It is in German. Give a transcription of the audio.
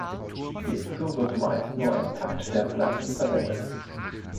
Hierzu wird meist nur ein Takt der Platten verwendet.